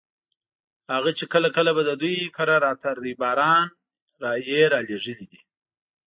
هغه چې کله کله به د دوی کره راته ريباران یې رالېږلي دي.